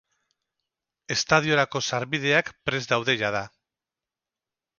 Estadiorako sarbideak prest daude jada.